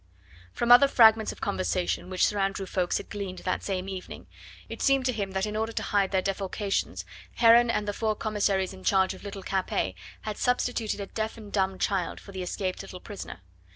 From other fragments of conversation which Sir Andrew Ffoulkes had gleaned that same evening, it seemed to him that in order to hide their defalcations Heron and the four commissaries in charge of little Capet had substituted a deaf and dumb child for the escaped little prisoner.